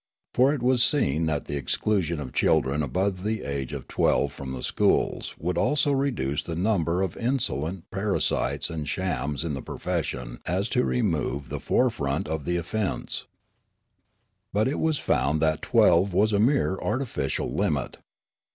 For it was seen that the exclusion of children above the age of twelve from the schools would so reduce the numbers of the in solent parasites and shams in the profession as to remove the forefront of the offence. " But it was found that twelve was a mere artificial limit.